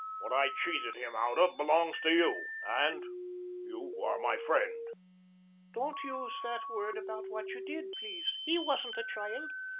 What I cheated him out of belongs to you and you are my friend." "Don't use that word about what you did, please. He wasn't a child.